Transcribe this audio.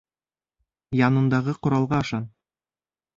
Янындағы ҡоралға ышан.